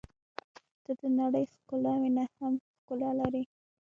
• ته د نړۍ ښکلاوې نه هم ښکلا لرې.